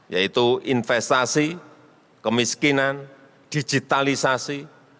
yaitu investasi kemiskinan digitalisasi